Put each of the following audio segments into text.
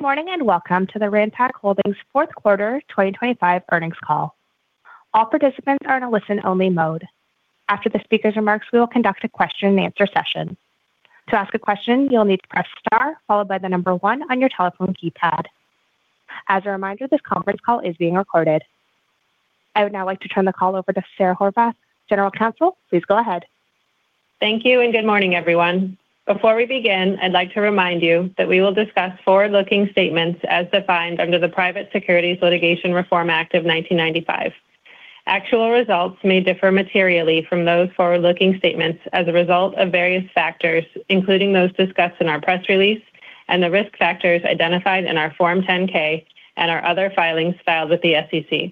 Good morning, welcome to the Ranpak Holdings fourth quarter 2025 earnings call. All participants are in a listen-only mode. After the speaker's remarks, we will conduct a question-and-answer session. To ask a question, you'll need to press star followed by 1 on your telephone keypad. As a reminder, this conference call is being recorded. I would now like to turn the call over to Sara Horvath, General Counsel. Please go ahead. Thank you, and good morning, everyone. Before we begin, I'd like to remind you that we will discuss forward-looking statements as defined under the Private Securities Litigation Reform Act of 1995. Actual results may differ materially from those forward-looking statements as a result of various factors, including those discussed in our press release and the risk factors identified in our Form 10-K and our other filings filed with the SEC.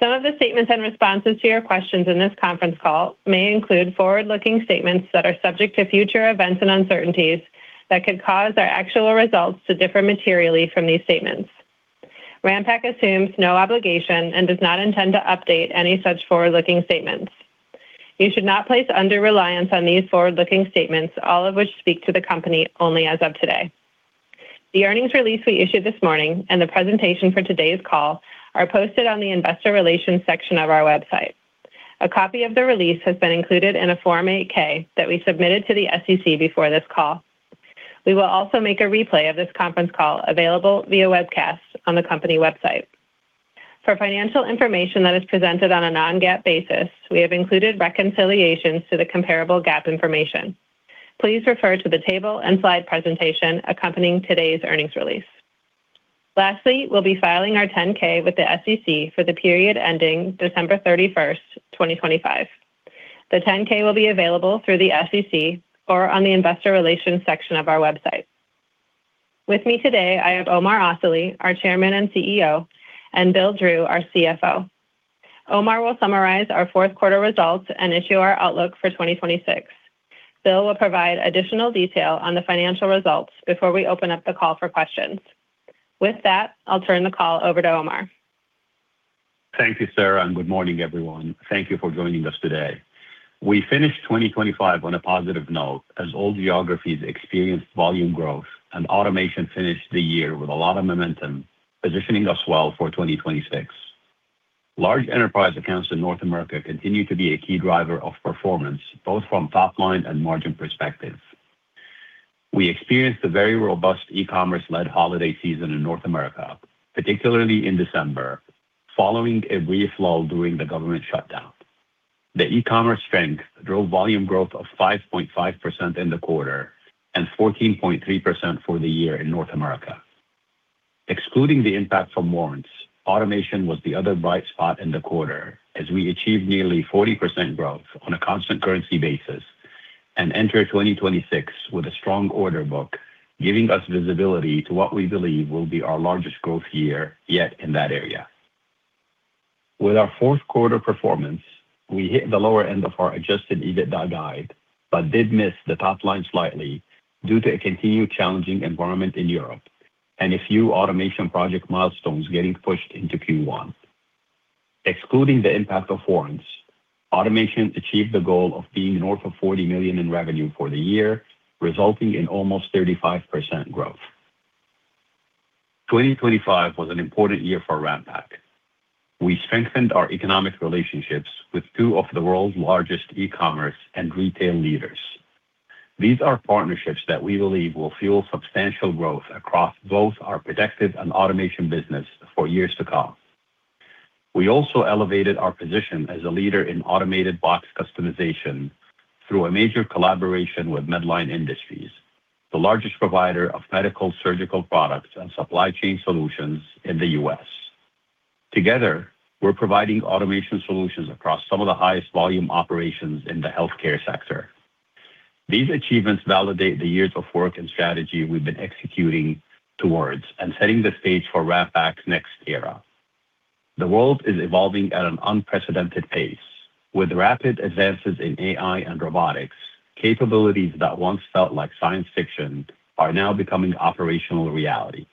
Some of the statements and responses to your questions in this conference call may include forward-looking statements that are subject to future events and uncertainties that could cause our actual results to differ materially from these statements. Ranpak assumes no obligation and does not intend to update any such forward-looking statements. You should not place under reliance on these forward-looking statements, all of which speak to the company only as of today. The earnings release we issued this morning and the presentation for today's call are posted on the investor relations section of our website. A copy of the release has been included in a Form 8-K that we submitted to the SEC before this call. We will also make a replay of this conference call available via webcast on the company website. For financial information that is presented on a non-GAAP basis, we have included reconciliations to the comparable GAAP information. Please refer to the table and slide presentation accompanying today's earnings release. Lastly, we'll be filing our 10-K with the SEC for the period ending December 31st, 2025. The 10-K will be available through the SEC or on the investor relations section of our website. With me today, I have Omar Asali, our Chairman and CEO, and Bill Drew, our CFO. Omar will summarize our fourth quarter results and issue our outlook for 2026. Bill will provide additional detail on the financial results before we open up the call for questions. With that, I'll turn the call over to Omar. Thank you, Sara, good morning, everyone. Thank you for joining us today. We finished 2025 on a positive note as all geographies experienced volume growth and automation finished the year with a lot of momentum, positioning us well for 2026. Large enterprise accounts in North America continue to be a key driver of performance, both from top line and margin perspective. We experienced a very robust e-commerce-led holiday season in North America, particularly in December, following a brief lull during the government shutdown. The e-commerce strength drove volume growth of 5.5% in the quarter and 14.3% for the year in North America. Excluding the impact from warrants, automation was the other bright spot in the quarter as we achieved nearly 40% growth on a constant currency basis and enter 2026 with a strong order book, giving us visibility to what we believe will be our largest growth year yet in that area. With our fourth quarter performance, we hit the lower end of our Adjusted EBITDA guide but did miss the top line slightly due to a continued challenging environment in Europe and a few automation project milestones getting pushed into Q1. Excluding the impact of warrants, automation achieved the goal of being north of $40 million in revenue for the year, resulting in almost 35% growth. 2025 was an important year for Ranpak. We strengthened our economic relationships with two of the world's largest e-commerce and retail leaders. These are partnerships that we believe will fuel substantial growth across both our protective and automation business for years to come. We also elevated our position as a leader in automated box customization through a major collaboration with Medline Industries, the largest provider of medical surgical products and supply chain solutions in the U.S. Together, we're providing automation solutions across some of the highest volume operations in the healthcare sector. These achievements validate the years of work and strategy we've been executing towards and setting the stage for Ranpak's next era. The world is evolving at an unprecedented pace. With rapid advances in AI and robotics, capabilities that once felt like science fiction are now becoming operational reality.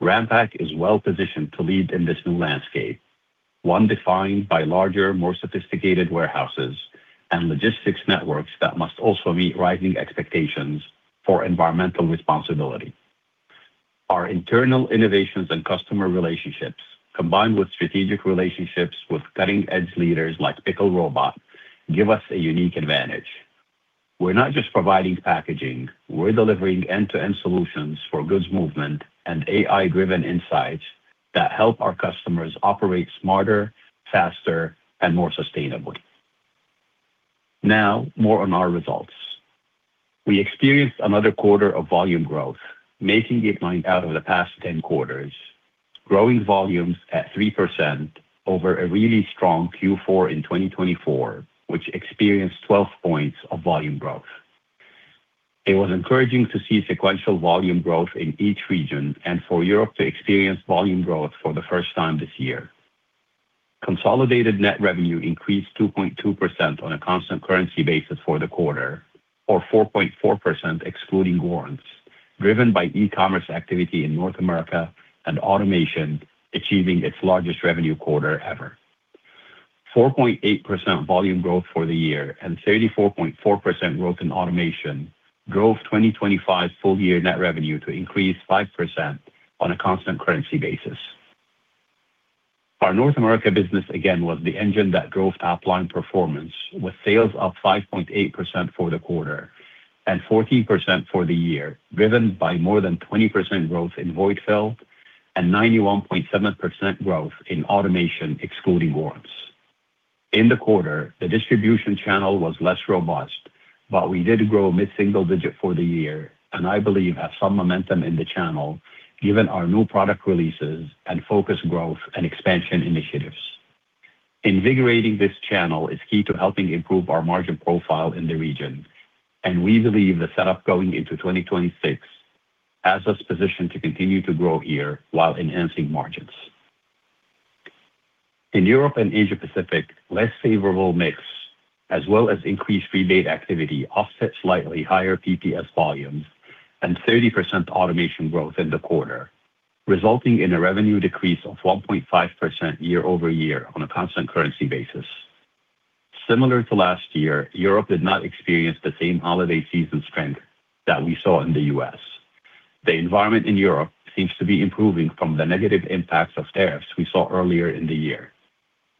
Ranpak is well-positioned to lead in this new landscape, one defined by larger, more sophisticated warehouses and logistics networks that must also meet rising expectations for environmental responsibility. Our internal innovations and customer relationships, combined with strategic relationships with cutting-edge leaders like Pickle Robot, give us a unique advantage. We're not just providing packaging; we're delivering end-to-end solutions for goods movement and AI-driven insights that help our customers operate smarter, faster, and more sustainably. More on our results. We experienced another quarter of volume growth, making it 9 out of the past 10 quarters, growing volumes at 3% over a really strong Q4 in 2024, which experienced 12 points of volume growth. It was encouraging to see sequential volume growth in each region and for Europe to experience volume growth for the first time this year. Consolidated net revenue increased 2.2% on a constant currency basis for the quarter or 4.4% excluding warrants, driven by e-commerce activity in North America and automation achieving its largest revenue quarter ever. 4.8% volume growth for the year and 34.4% growth in automation drove 2025 full year net revenue to increase 5% on a constant currency basis. Our North America business again was the engine that drove top line performance with sales up 5.8% for the quarter and 14% for the year, driven by more than 20% growth in void fill and 91.7% growth in automation excluding warrants. In the quarter, the distribution channel was less robust, but we did grow mid-single-digit for the year and I believe have some momentum in the channel given our new product releases and focused growth and expansion initiatives. Invigorating this channel is key to helping improve our margin profile in the region, and we believe the setup going into 2026 has us positioned to continue to grow here while enhancing margins. In Europe and Asia Pacific, less favorable mix as well as increased rebate activity offset slightly higher PPS volumes and 30% automation growth in the quarter, resulting in a revenue decrease of 1.5% year-over-year on a constant currency basis. Similar to last year, Europe did not experience the same holiday season strength that we saw in the U.S. The environment in Europe seems to be improving from the negative impacts of tariffs we saw earlier in the year.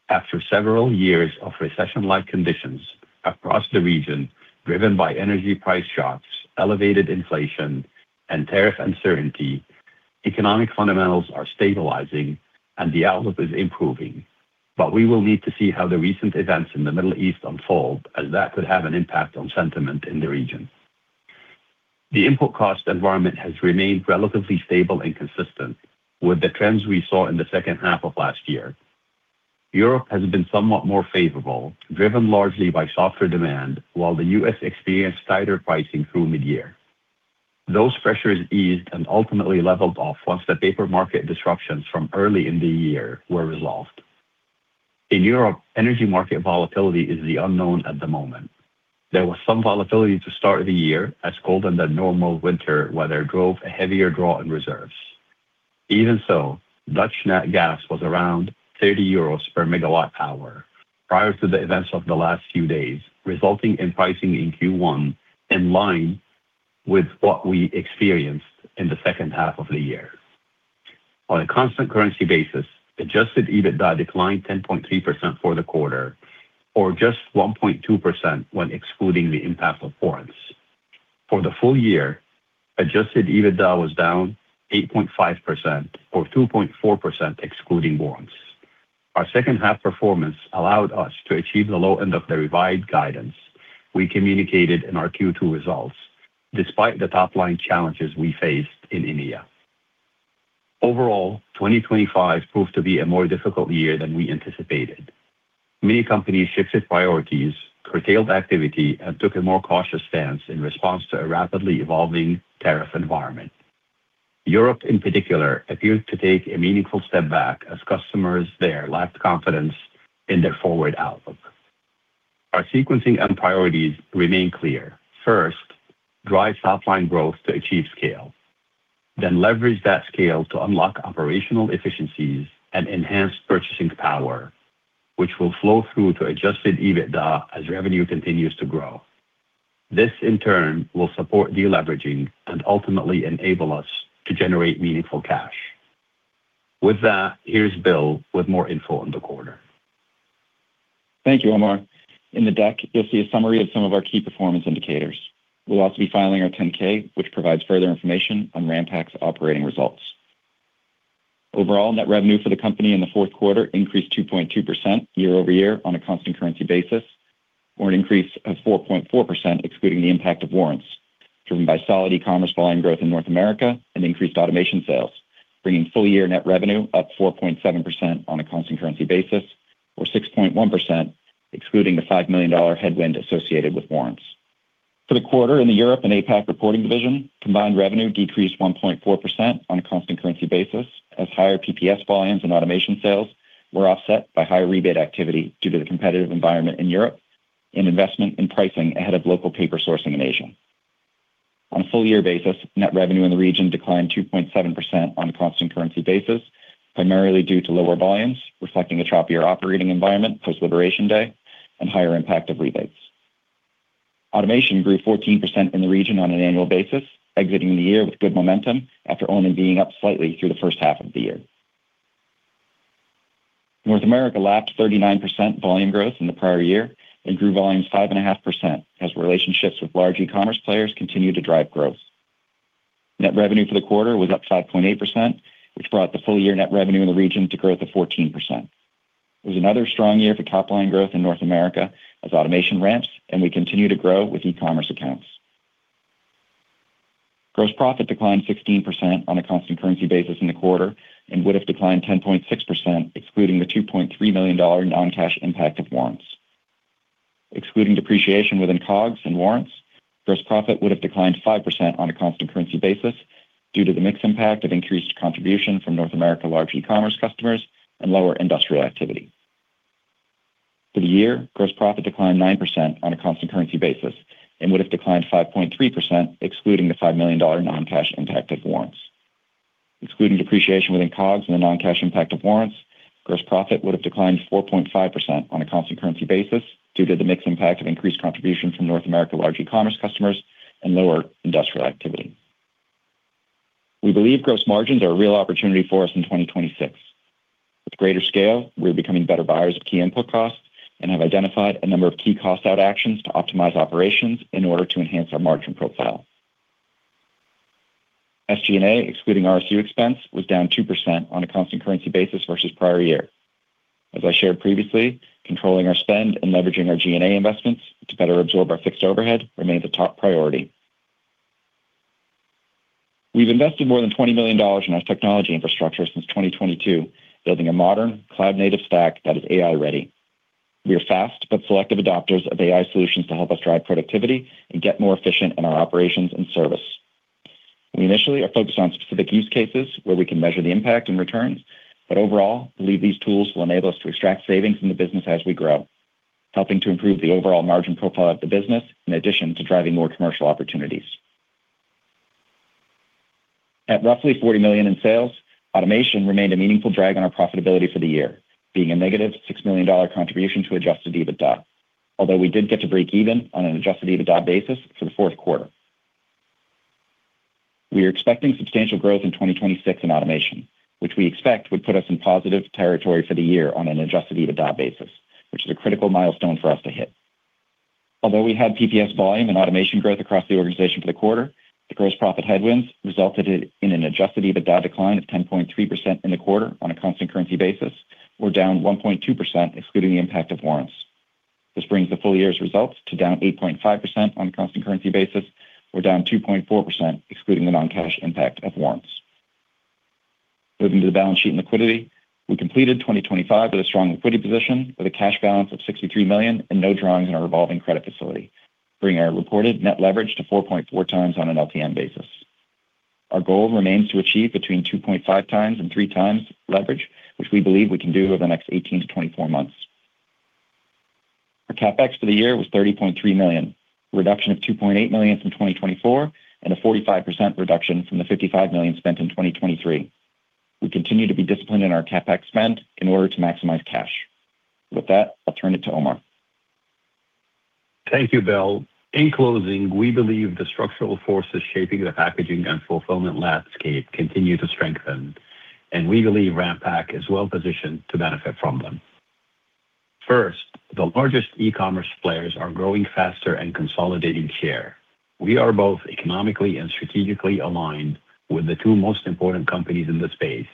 After several years of recession-like conditions across the region, driven by energy price shocks, elevated inflation, and tariff uncertainty, economic fundamentals are stabilizing and the outlook is improving. We will need to see how the recent events in the Middle East unfold as that could have an impact on sentiment in the region. The input cost environment has remained relatively stable and consistent with the trends we saw in the second half of last year. Europe has been somewhat more favorable, driven largely by softer demand while the U.S. experienced tighter pricing through mid-year. Those pressures eased and ultimately leveled off once the paper market disruptions from early in the year were resolved. In Europe, energy market volatility is the unknown at the moment. There was some volatility to start the year as colder than normal winter weather drove a heavier draw in reserves. Even so, Dutch TTF gas was around 30 euros per MW power prior to the events of the last few days, resulting in pricing in Q1 in line with what we experienced in the second half of the year. On a constant currency basis, Adjusted EBITDA declined 10.3% for the quarter, or just 1.2% when excluding the impact of warrants. For the full year, Adjusted EBITDA was down 8.5% or 2.4% excluding warrants. Our second half performance allowed us to achieve the low end of the revised guidance we communicated in our Q2 results despite the top-line challenges we faced in EMEA. Overall, 2025 proved to be a more difficult year than we anticipated. Many companies shifted priorities, curtailed activity, and took a more cautious stance in response to a rapidly evolving tariff environment. Europe, in particular, appeared to take a meaningful step back as customers there lacked confidence in their forward outlook. Our sequencing and priorities remain clear. First, drive top line growth to achieve scale. Leverage that scale to unlock operational efficiencies and enhance purchasing power, which will flow through to Adjusted EBITDA as revenue continues to grow. This, in turn, will support deleveraging and ultimately enable us to generate meaningful cash. With that, here is Bill with more info on the quarter. Thank you, Omar. In the deck, you'll see a summary of some of our key performance indicators. We'll also be filing our Form 10-K, which provides further information on Ranpak's operating results. Overall, net revenue for the company in the fourth quarter increased 2.2% year-over-year on a constant currency basis, or an increase of 4.4% excluding the impact of warrants, driven by solid e-commerce volume growth in North America and increased automation sales, bringing full year net revenue up 4.7% on a constant currency basis or 6.1% excluding the $5 million headwind associated with warrants. For the quarter in the Europe and APAC reporting division, combined revenue decreased 1.4% on a constant currency basis as higher PPS volumes and automation sales were offset by higher rebate activity due to the competitive environment in Europe and investment in pricing ahead of local paper source in Asia. On a full year basis, net revenue in the region declined 2.7% on a constant currency basis, primarily due to lower volumes reflecting the choppier operating environment post Liberation Day and higher impact of rebates. Automation grew 14% in the region on an annual basis, exiting the year with good momentum after only being up slightly through the first half of the year. North America lapped 39% volume growth in the prior year and grew volumes 5.5% as relationships with large e-commerce players continued to drive growth. Net revenue for the quarter was up 5.8%, which brought the full year net revenue in the region to growth of 14%. It was another strong year for top line growth in North America as automation ramps and we continue to grow with e-commerce accounts. Gross profit declined 16% on a constant currency basis in the quarter and would have declined 10.6% excluding the $2.3 million non-cash impact of warrants. Excluding depreciation within COGS and Warrants, gross profit would have declined 5% on a constant currency basis due to the mix impact of increased contribution from North America large e-commerce customers and lower industrial activity. For the year, gross profit declined 9% on a constant currency basis and would have declined 5.3% excluding the $5 million non-cash impact of warrants. Excluding depreciation within COGS and the non-cash impact of warrants, gross profit would have declined 4.5% on a constant currency basis due to the mixed impact of increased contribution from North America large e-commerce customers and lower industrial activity. We believe gross margins are a real opportunity for us in 2026. With greater scale, we are becoming better buyers of key input costs and have identified a number of key cost out actions to optimize operations in order to enhance our margin profile. SG&A, excluding RSU expense, was down 2% on a constant currency basis versus prior year. As I shared previously, controlling our spend and leveraging our G&A investments to better absorb our fixed overhead remains a top priority. We've invested more than $20 million in our technology infrastructure since 2022, building a modern cloud native stack that is AI-ready. We are fast but selective adopters of AI solutions to help us drive productivity and get more efficient in our operations and service. We initially are focused on specific use cases where we can measure the impact and returns, but overall, believe these tools will enable us to extract savings from the business as we grow, helping to improve the overall margin profile of the business in addition to driving more commercial opportunities. At roughly $40 million in sales, automation remained a meaningful drag on our profitability for the year, being a negative $6 million contribution to Adjusted EBITDA. Although we did get to break even on an Adjusted EBITDA basis for the fourth quarter. We are expecting substantial growth in 2026 in automation, which we expect would put us in positive territory for the year on an Adjusted EBITDA basis, which is a critical milestone for us to hit. Although we had PPS volume and automation growth across the organization for the quarter, the gross profit headwinds resulted in an Adjusted EBITDA decline of 10.3% in the quarter on a constant currency basis or down 1.2% excluding the impact of warrants. This brings the full year's results to down 8.5% on a constant currency basis or down 2.4% excluding the non-cash impact of warrants. Moving to the balance sheet and liquidity. We completed 2025 with a strong liquidity position with a cash balance of $63 million and no drawings in our revolving credit facility, bringing our reported net leverage to 4.4 times on an LTM basis. Our goal remains to achieve between 2.5 times and 3 times leverage, which we believe we can do over the next 18-24 months. Our CapEx for the year was $30.3 million, a reduction of $2.8 million from 2024 and a 45% reduction from the $55 million spent in 2023. We continue to be disciplined in our CapEx spend in order to maximize cash. With that, I'll turn it to Omar. Thank you, Bill. In closing, we believe the structural forces shaping the packaging and fulfillment landscape continue to strengthen, and we believe Ranpak is well positioned to benefit from them. First, the largest e-commerce players are growing faster and consolidating share. We are both economically and strategically aligned with the two most important companies in the space,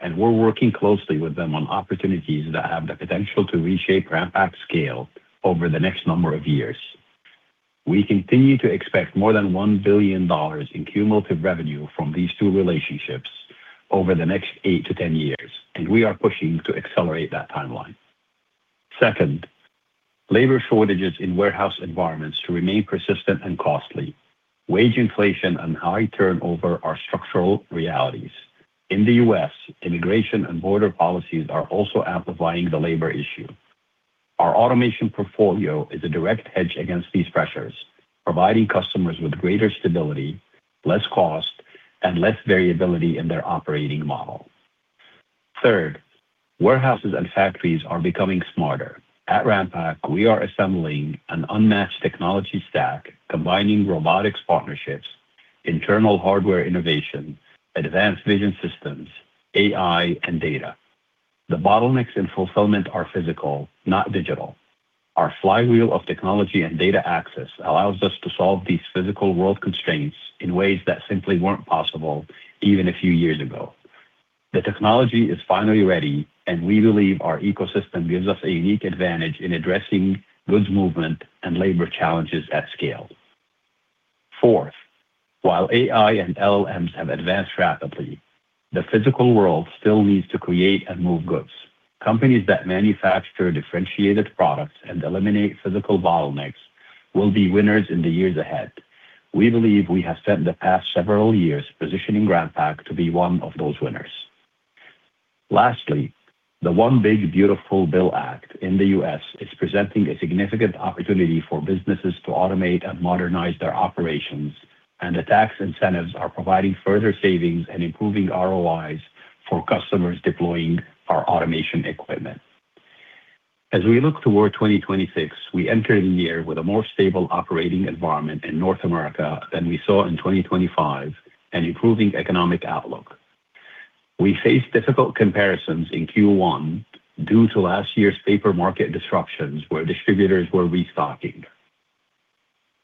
and we're working closely with them on opportunities that have the potential to reshape Ranpak's scale over the next number of years. We continue to expect more than $1 billion in cumulative revenue from these two relationships over the next 8-10 years, and we are pushing to accelerate that timeline. Second, labor shortages in warehouse environments remain persistent and costly. Wage inflation and high turnover are structural realities. In the U.S., immigration and border policies are also amplifying the labor issue. Our automation portfolio is a direct hedge against these pressures, providing customers with greater stability, less cost, and less variability in their operating model. Third, warehouses and factories are becoming smarter. At Ranpak, we are assembling an unmatched technology stack combining robotics partnerships, internal hardware innovation, advanced vision systems, AI, and data. The bottlenecks in fulfillment are physical, not digital. Our flywheel of technology and data access allows us to solve these physical world constraints in ways that simply weren't possible even a few years ago. The technology is finally ready, and we believe our ecosystem gives us a unique advantage in addressing goods movement and labor challenges at scale. Fourth, while AI and LLMs have advanced rapidly, the physical world still needs to create and move goods. Companies that manufacture differentiated products and eliminate physical bottlenecks will be winners in the years ahead. We believe we have spent the past several years positioning Ranpak to be one of those winners. The One Big Beautiful Bill Act in the U.S. is presenting a significant opportunity for businesses to automate and modernize their operations, and the tax incentives are providing further savings and improving ROIs for customers deploying our automation equipment. As we look toward 2026, we enter the year with a more stable operating environment in North America than we saw in 2025 and improving economic outlook. We face difficult comparisons in Q1 due to last year's paper market disruptions where distributors were restocking.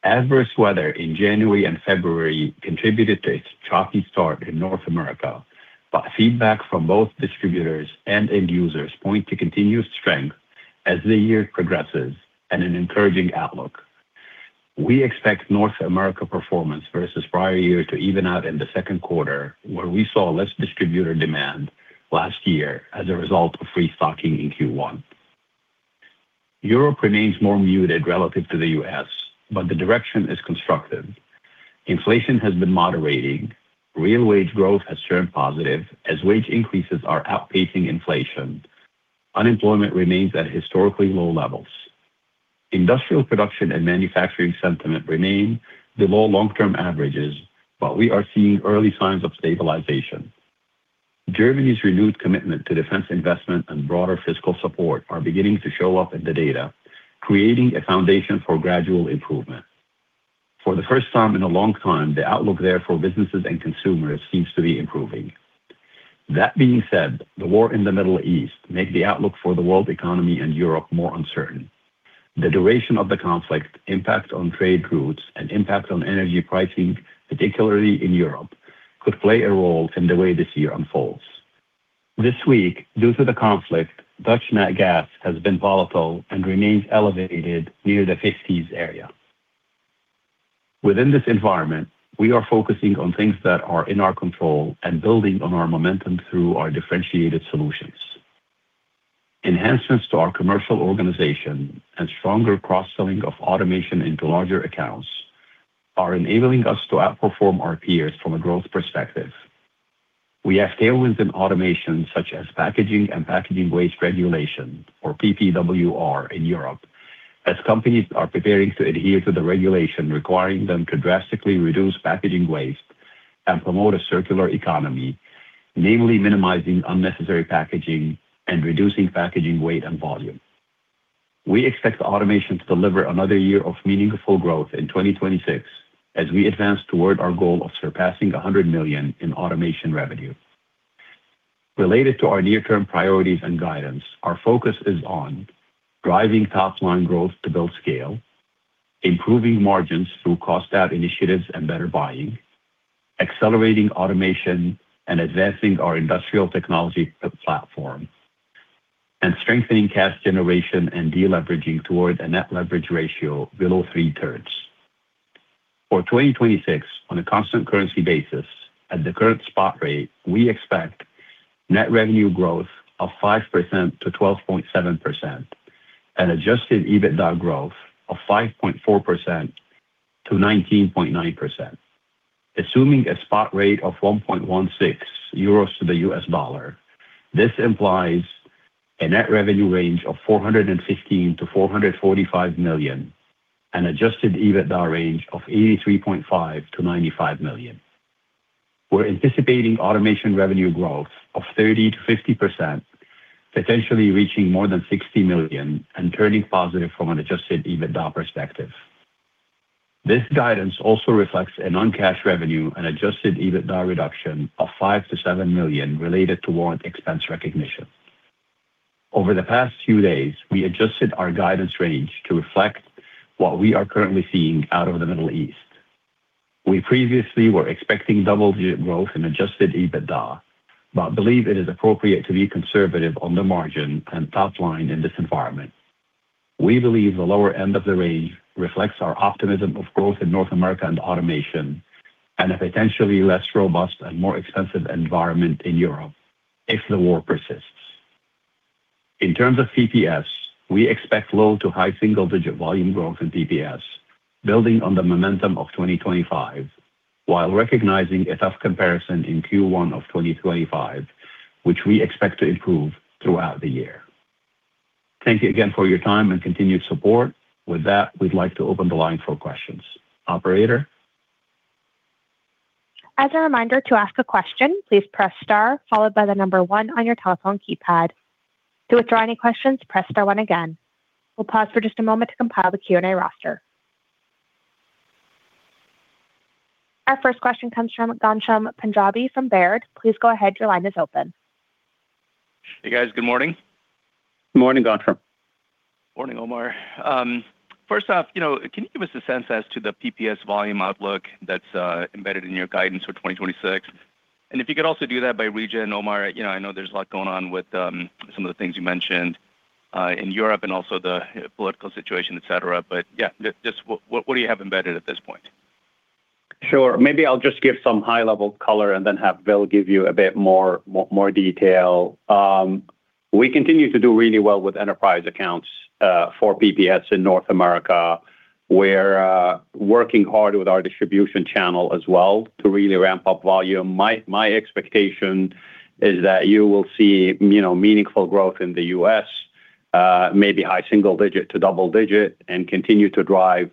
Adverse weather in January and February contributed to a choppy start in North America. Feedback from both distributors and end users point to continued strength as the year progresses and an encouraging outlook. We expect North America performance versus prior year to even out in the second quarter, where we saw less distributor demand last year as a result of restocking in Q1. Europe remains more muted relative to the U.S., but the direction is constructive. Inflation has been moderating. Real wage growth has turned positive as wage increases are outpacing inflation. Unemployment remains at historically low levels. Industrial production and manufacturing sentiment remain below long-term averages, but we are seeing early signs of stabilization. Germany's renewed commitment to defense investment and broader fiscal support are beginning to show up in the data, creating a foundation for gradual improvement. For the first time in a long time, the outlook there for businesses and consumers seems to be improving. That being said, the war in the Middle East make the outlook for the world economy and Europe more uncertain. The duration of the conflict impact on trade routes and impact on energy pricing, particularly in Europe, could play a role in the way this year unfolds. This week, due to the conflict, Dutch TTF gas has been volatile and remains elevated near the 50s area. Within this environment, we are focusing on things that are in our control and building on our momentum through our differentiated solutions. Enhancements to our commercial organization and stronger cross-selling of automation into larger accounts are enabling us to outperform our peers from a growth perspective. We have tailwinds in automation such as Packaging and Packaging Waste Regulation, or PPWR in Europe, as companies are preparing to adhere to the regulation requiring them to drastically reduce packaging waste and promote a circular economy, namely minimizing unnecessary packaging and reducing packaging weight and volume. We expect automation to deliver another year of meaningful growth in 2026 as we advance toward our goal of surpassing $100 million in automation revenue. Related to our near-term priorities and guidance, our focus is on driving top-line growth to build scale, improving margins through cost out initiatives and better buying, accelerating automation and advancing our industrial technology platform, and strengthening cash generation and deleveraging towards a net leverage ratio below three times. For 2026, on a constant currency basis at the current spot rate, we expect net revenue growth of 5%-12.7% and Adjusted EBITDA growth of 5.4%-19.9%. Assuming a spot rate of 1.16 euros to the U.S. dollar, this implies a net revenue range of $415 million-$445 million and Adjusted EBITDA range of $83.5 million-$95 million. We're anticipating automation revenue growth of 30%-50%, potentially reaching more than $60 million and turning positive from an Adjusted EBITDA perspective. This guidance also reflects a non-cash revenue and Adjusted EBITDA reduction of $5 million-$7 million related to warrant expense recognition. Over the past few days, we adjusted our guidance range to reflect what we are currently seeing out of the Middle East. We previously were expecting double-digit growth in Adjusted EBITDA, but believe it is appropriate to be conservative on the margin and top line in this environment. We believe the lower end of the range reflects our optimism of growth in North America and automation and a potentially less robust and more expensive environment in Europe if the war persists. In terms of PPS, we expect low to high single-digit volume growth in PPS, building on the momentum of 2025 while recognizing a tough comparison in Q1 of 2025, which we expect to improve throughout the year. Thank you again for your time and continued support. With that, we'd like to open the line for questions. Operator? As a reminder, to ask a question, please press star followed by the number one on your telephone keypad. To withdraw any questions, press star one again. We'll pause for just a moment to compile the Q&A roster. Our first question comes from Ghansham Panjabi from Baird. Please go ahead. Your line is open. Hey, guys. Good morning. Good morning, Ghansham. Morning, Omar. First off, you know, can you give us a sense as to the PPS volume outlook that's embedded in your guidance for 2026? If you could also do that by region, Omar. You know, I know there's a lot going on with some of the things you mentioned in Europe and also the political situation, et cetera. Yeah, just what do you have embedded at this point? Sure. Maybe I'll just give some high-level color and then have Bill give you a bit more detail. We continue to do really well with enterprise accounts for PPS in North America. We're working hard with our distribution channel as well to really ramp up volume. My expectation is that you will see, you know, meaningful growth in the U.S., maybe high single-digit to double-digit and continue to drive,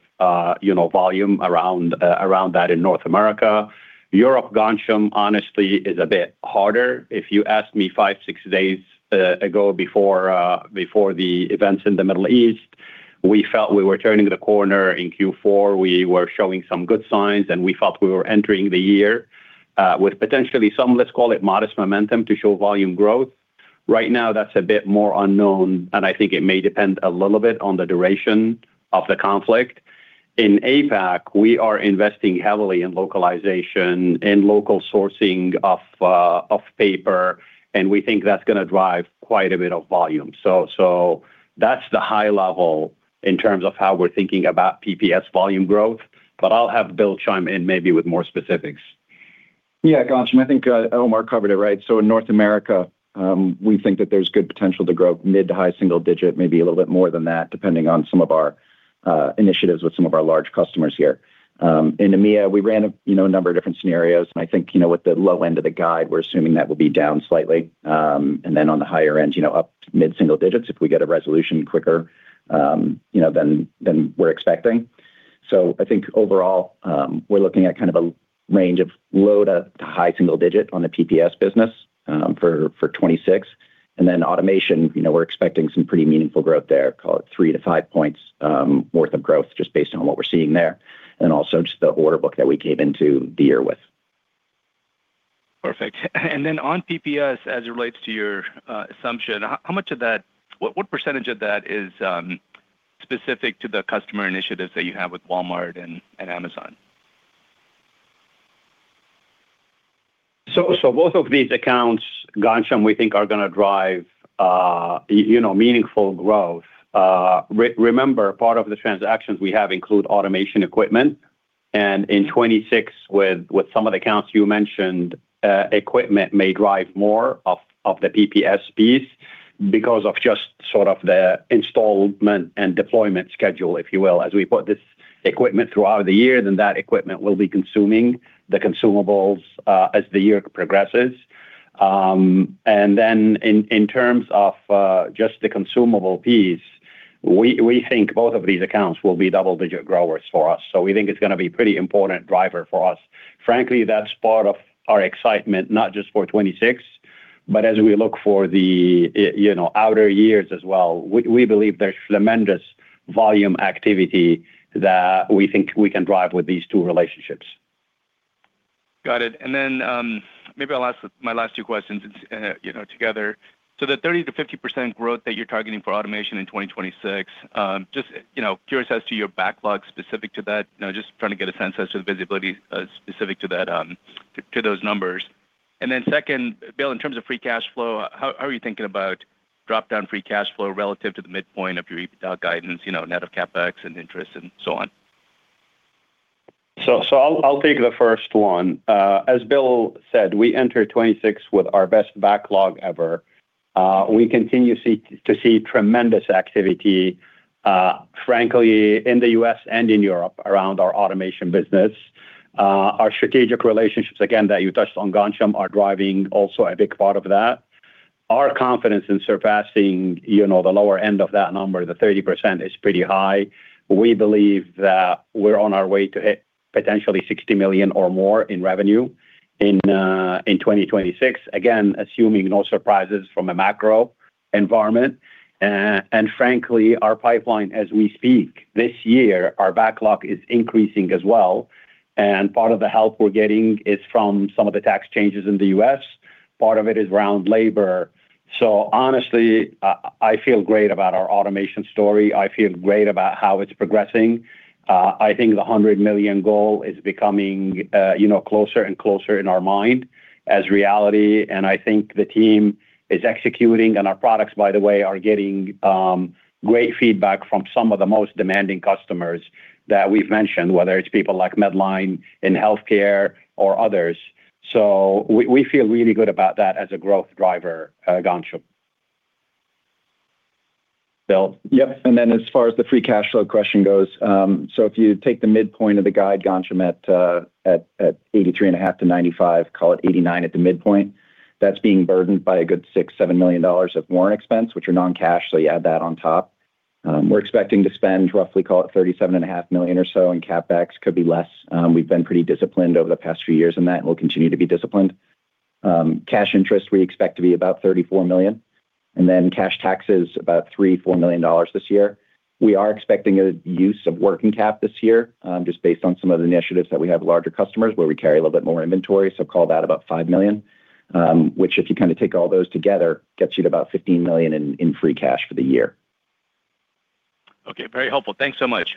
you know, volume around that in North America. Europe, Ghansham, honestly, is a bit harder. If you asked me 5, 6 days ago before the events in the Middle East, we felt we were turning the corner in Q4. We were showing some good signs, we felt we were entering the year with potentially some, let's call it modest momentum to show volume growth. Right now, that's a bit more unknown, and I think it may depend a little bit on the duration of the conflict. In APAC, we are investing heavily in localization and local sourcing of paper, and we think that's gonna drive quite a bit of volume. That's the high level in terms of how we're thinking about PPS volume growth. I'll have Bill chime in maybe with more specifics. Ghansham, I think Omar covered it right. In North America, we think that there's good potential to grow mid-to-high single-digit, maybe a little bit more than that, depending on some of our initiatives with some of our large customers here. In EMEA, we ran a, you know, number of different scenarios, and I think, you know, with the low end of the guide, we're assuming that will be down slightly, and then on the higher end, you know, up mid-single digits if we get a resolution quicker, you know, than we're expecting. I think overall, we're looking at kind of a range of low-to-high single-digit on the PPS business for 2026. Automation, you know, we're expecting some pretty meaningful growth there, call it 3-5 points worth of growth just based on what we're seeing there and also just the order book that we came into the year with. Perfect. Then on PPS, as it relates to your assumption, what % of that is specific to the customer initiatives that you have with Walmart and Amazon? Both of these accounts, Ghansham, we think are going to drive, you know, meaningful growth. Remember, part of the transactions we have include automation equipment, and in 2026 with some of the accounts you mentioned, equipment may drive more of the PPS piece because of just sort of the installment and deployment schedule, if you will. As we put this equipment throughout the year, then that equipment will be consuming the consumables as the year progresses. In terms of just the consumable piece, we think both of these accounts will be double-digit growers for us. We think it's going to be pretty important driver for us. Frankly, that's part of our excitement, not just for 2026, but as we look for, you know, outer years as well. We believe there's tremendous volume activity that we think we can drive with these two relationships. Got it. Maybe I'll ask my last two questions, you know, together. The 30%-50% growth that you're targeting for automation in 2026, just, you know, curious as to your backlog specific to that. You know, just trying to get a sense as to the visibility specific to that to those numbers. Second, Bill, in terms of free cash flow, how are you thinking about drop-down free cash flow relative to the midpoint of your EBITDA guidance, you know, net of CapEx and interest and so on? I'll take the first one. As Bill said, we enter 2026 with our best backlog ever. We continue to see tremendous activity, frankly, in the U.S. and in Europe around our automation business. Our strategic relationships, again, that you touched on, Ghansham, are driving also a big part of that. Our confidence in surpassing, you know, the lower end of that number, the 30% is pretty high. We believe that we're on our way to hit potentially $60 million or more in revenue in 2026, again, assuming no surprises from a macro environment. Frankly, our pipeline as we speak this year, our backlog is increasing as well, and part of the help we're getting is from some of the tax changes in the U.S., part of it is around labor. Honestly, I feel great about our automation story. I feel great about how it's progressing. I think the $100 million goal is becoming, you know, closer and closer in our mind as reality, and I think the team is executing and our products, by the way, are getting great feedback from some of the most demanding customers that we've mentioned, whether it's people like Medline in healthcare or others. We, we feel really good about that as a growth driver, Ghansham. Bill? Yep. As far as the free cash flow question goes, if you take the midpoint of the guide, Ghansham, at $83.5 million-$95 million, call it $89 million at the midpoint, that's being burdened by a good $6 million-$7 million of warrant expense, which are non-cash, you add that on top. We're expecting to spend roughly, call it $37.5 million or so in CapEx, could be less. We've been pretty disciplined over the past few years in that. We'll continue to be disciplined. Cash interest we expect to be about $34 million. Cash taxes about $3 million-$4 million this year. We are expecting a use of working cap this year, just based on some of the initiatives that we have larger customers where we carry a little bit more inventory, so call that about $5 million, which if you kinda take all those together, gets you to about $15 million in free cash for the year. Okay. Very helpful. Thanks so much.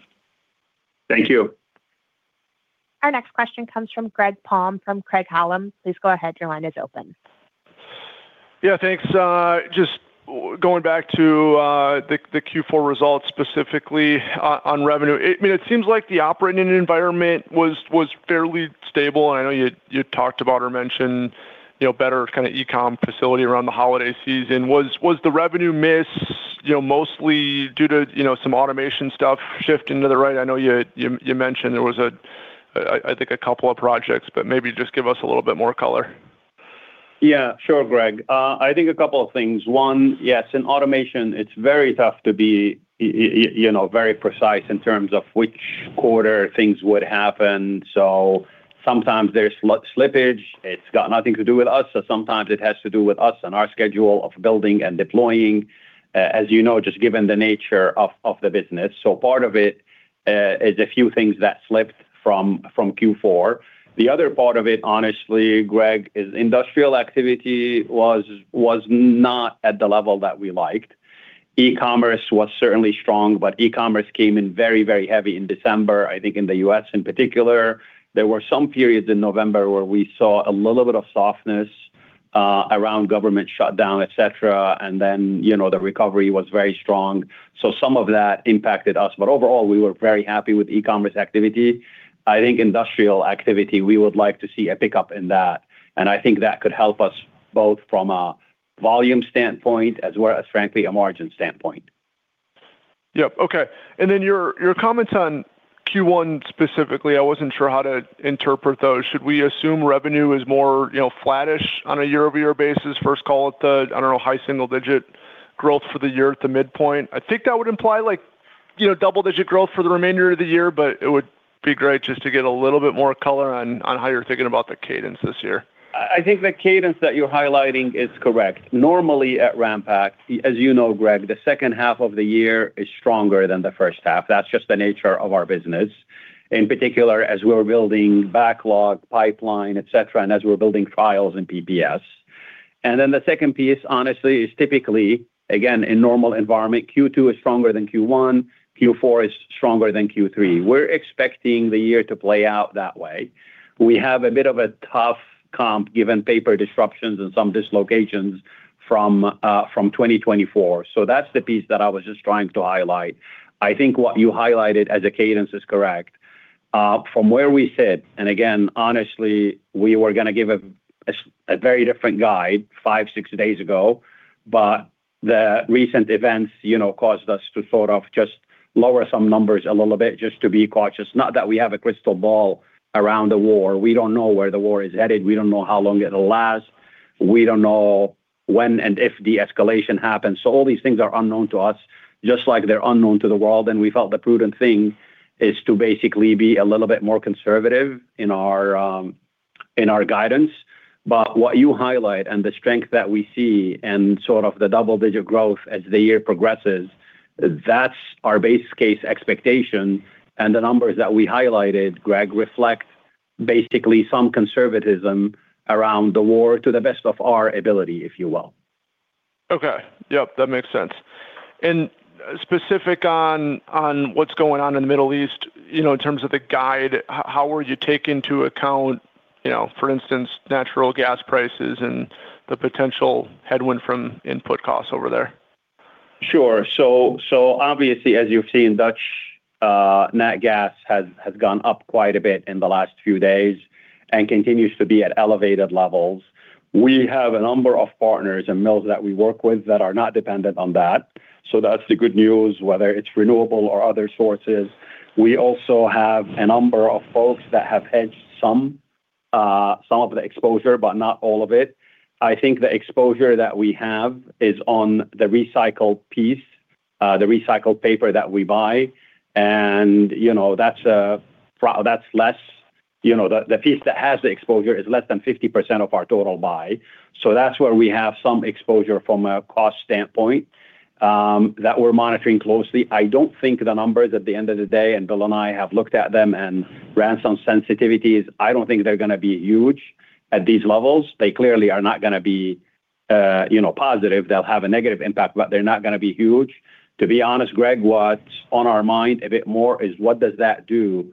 Thank you. Our next question comes from Greg Palm from Craig-Hallum. Please go ahead, your line is open. Yeah, thanks. Just going back to the Q4 results specifically on revenue. I mean, it seems like the operating environment was fairly stable, and I know you talked about or mentioned, you know, better kinda e-com facility around the holiday season. Was the revenue miss, you know, mostly due to, you know, some automation stuff shifting to the right? I know you mentioned there was, I think a couple of projects, but maybe just give us a little bit more color. Yeah. Sure, Greg. I think a couple of things. One, yes, in automation it's very tough to be you know, very precise in terms of which quarter things would happen. Sometimes there's slippage. It's got nothing to do with us, so sometimes it has to do with us and our schedule of building and deploying, as you know, just given the nature of the business. Part of it, is a few things that slipped from Q4. The other part of it, honestly, Greg, is industrial activity was not at the level that we liked. E-commerce was certainly strong, but e-commerce came in very, very heavy in December, I think in the U.S. in particular. There were some periods in November where we saw a little bit of softness, around government shutdown, et cetera, and then, you know, the recovery was very strong. Some of that impacted us, but overall we were very happy with e-commerce activity. I think industrial activity, we would like to see a pickup in that, and I think that could help us both from a volume standpoint as well as frankly a margin standpoint. Yep. Okay. Your comments on Q1 specifically, I wasn't sure how to interpret those. Should we assume revenue is more, you know, flattish on a year-over-year basis? First call it the, I don't know, high single-digit growth for the year at the midpoint. I think that would imply like, you know, double-digit growth for the remainder of the year. It would be great just to get a little bit more color on how you're thinking about the cadence this year. I think the cadence that you're highlighting is correct. Normally at Ranpak, as you know, Greg, the second half of the year is stronger than the first half. That's just the nature of our business. As we're building backlog, pipeline, et cetera, and as we're building files in PPS. The second piece, honestly, is typically, again, in normal environment, Q2 is stronger than Q1, Q4 is stronger than Q3. We're expecting the year to play out that way. We have a bit of a tough comp given paper disruptions and some dislocations from 2024. That's the piece that I was just trying to highlight. I think what you highlighted as a cadence is correct. From where we sit, again, honestly, we were gonna give a very different guide five, six days ago, but the recent events, you know, caused us to sort of just lower some numbers a little bit just to be cautious. Not that we have a crystal ball around the war. We don't know where the war is headed. We don't know how long it'll last. We don't know when and if the escalation happens. All these things are unknown to us, just like they're unknown to the world. We felt the prudent thing is to basically be a little bit more conservative in our guidance. What you highlight and the strength that we see and sort of the double-digit growth as the year progresses, that's our base case expectation. The numbers that we highlighted, Greg, reflect basically some conservatism around the war to the best of our ability, if you will. Okay. Yep, that makes sense. Specific on what's going on in the Middle East, you know, in terms of the guide, how would you take into account, you know, for instance, natural gas prices and the potential headwind from input costs over there? Sure. Obviously, as you've seen, Dutch TTF gas has gone up quite a bit in the last few days and continues to be at elevated levels. We have a number of partners and mills that we work with that are not dependent on that. That's the good news, whether it's renewable or other sources. We also have a number of folks that have hedged some of the exposure, but not all of it. I think the exposure that we have is on the recycled piece, the recycled paper that we buy. You know, that's less the piece that has the exposure is less than 50% of our total buy. That's where we have some exposure from a cost standpoint, that we're monitoring closely. I don't think the numbers at the end of the day, and Bill and I have looked at them and ran some sensitivities. I don't think they're gonna be huge at these levels. They clearly are not gonna be, you know, positive. They'll have a negative impact, but they're not gonna be huge. To be honest, Greg, what's on our mind a bit more is what does that do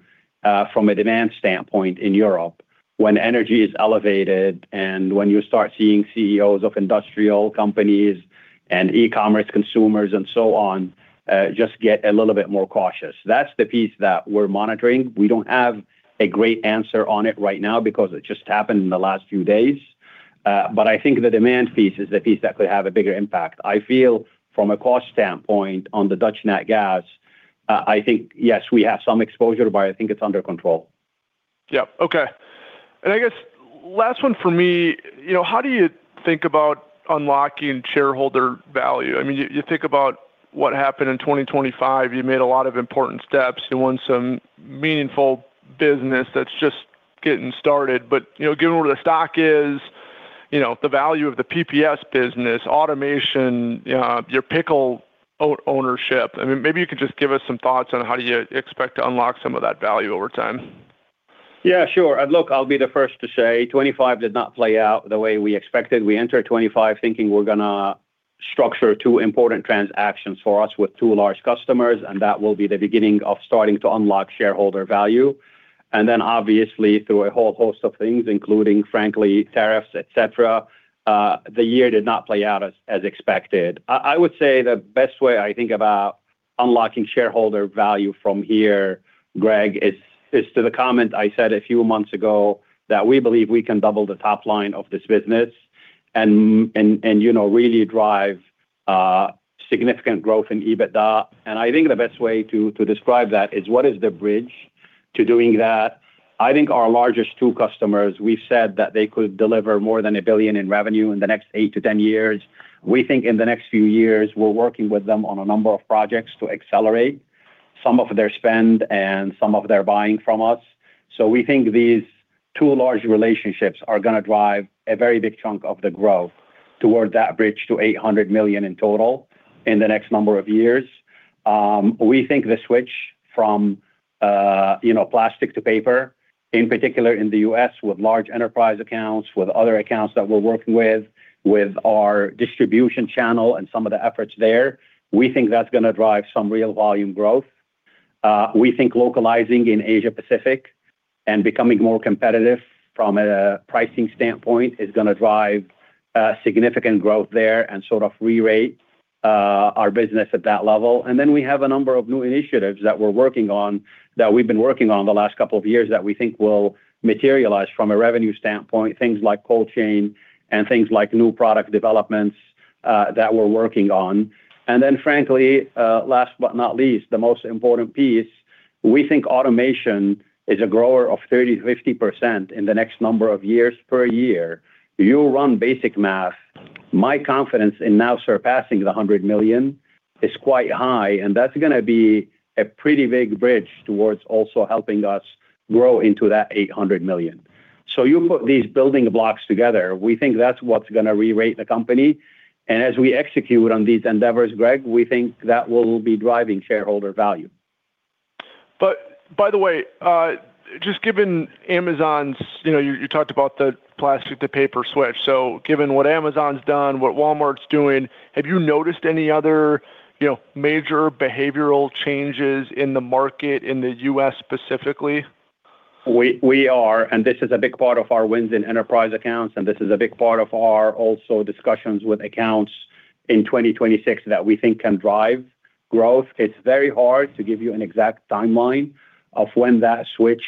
from a demand standpoint in Europe when energy is elevated and when you start seeing CEOs of industrial companies and e-commerce consumers and so on, just get a little bit more cautious. That's the piece that we're monitoring. We don't have a great answer on it right now because it just happened in the last few days. I think the demand piece is the piece that could have a bigger impact. I feel from a cost standpoint on the Dutch TTF gas, I think, yes, we have some exposure, but I think it's under control. Yep. Okay. I guess last one for me, you know, how do you think about unlocking shareholder value? I mean, you think about what happened in 2025. You made a lot of important steps. You won some meaningful business that's just getting started. You know, given where the stock is, you know, the value of the PPS business, automation, your Pickle ownership. I mean, maybe you could just give us some thoughts on how do you expect to unlock some of that value over time. Yeah, sure. Look, I'll be the first to say 25 did not play out the way we expected. We entered 25 thinking we're gonna structure 2 important transactions for us with 2 large customers, and that will be the beginning of starting to unlock shareholder value. Obviously through a whole host of things, including frankly, tariffs, et cetera, the year did not play out as expected. I would say the best way I think about unlocking shareholder value from here, Greg, is to the comment I said a few months ago that we believe we can double the top line of this business and, you know, really drive significant growth in EBITDA. I think the best way to describe that is what is the bridge to doing that? I think our largest two customers, we've said that they could deliver more than $1 billion in revenue in the next 8-10 years. We think in the next few years, we're working with them on a number of projects to accelerate some of their spend and some of their buying from us. We think these two large relationships are gonna drive a very big chunk of the growth toward that bridge to $800 million in total in the next number of years. We think the switch from, you know, plastic to paper, in particular in the U.S. with large enterprise accounts, with other accounts that we're working with our distribution channel and some of the efforts there, we think that's gonna drive some real volume growth. We think localizing in Asia-Pacific and becoming more competitive from a pricing standpoint is gonna drive significant growth there and sort of rerate our business at that level. We have a number of new initiatives that we've been working on the last couple of years that we think will materialize from a revenue standpoint, things like cold chain and things like new product developments that we're working on. Frankly, last but not least, the most important piece. We think automation is a grower of 30%-50% in the next number of years per year. You run basic math, my confidence in now surpassing the $100 million is quite high, and that's gonna be a pretty big bridge towards also helping us grow into that $800 million. You put these building blocks together, we think that's what's gonna rerate the company. As we execute on these endeavors, Greg, we think that will be driving shareholder value. By the way, just given Amazon's. You know, you talked about the plastic to paper switch. Given what Amazon's done, what Walmart's doing, have you noticed any other, you know, major behavioral changes in the market in the U.S. specifically? We are, and this is a big part of our wins in enterprise accounts, and this is a big part of our also discussions with accounts in 2026 that we think can drive growth. It's very hard to give you an exact timeline of when that switch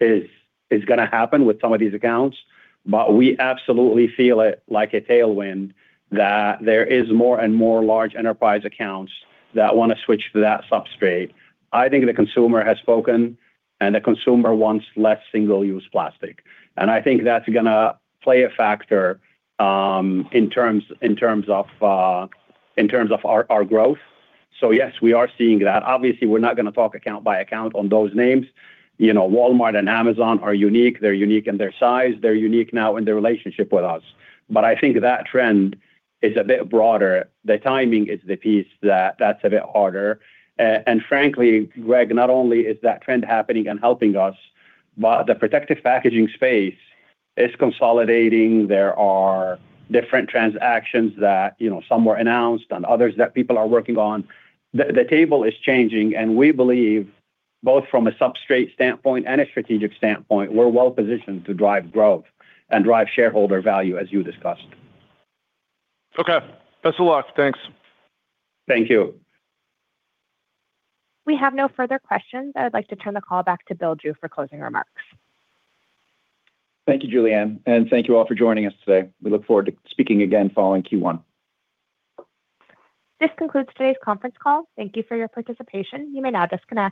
is gonna happen with some of these accounts. We absolutely feel it like a tailwind that there is more and more large enterprise accounts that wanna switch to that substrate. I think the consumer has spoken, and the consumer wants less single-use plastic. I think that's gonna play a factor, in terms of our growth. Yes, we are seeing that. Obviously, we're not gonna talk account by account on those names. You know, Walmart and Amazon are unique. They're unique in their size, they're unique now in their relationship with us. I think that trend is a bit broader. The timing is the piece that's a bit harder. Frankly, Greg, not only is that trend happening and helping us, but the protective packaging space is consolidating. There are different transactions that, you know, some were announced and others that people are working on. The table is changing, and we believe both from a substrate standpoint and a strategic standpoint, we're well-positioned to drive growth and drive shareholder value as you discussed. Okay. Best of luck. Thanks. Thank you. We have no further questions. I'd like to turn the call back to Bill Drew for closing remarks. Thank you, Julianne, and thank you all for joining us today. We look forward to speaking again following Q1. This concludes today's conference call. Thank you for your participation. You may now disconnect.